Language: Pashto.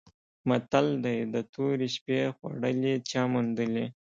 متل دی: د تورې شپې خوړلي چا موندلي؟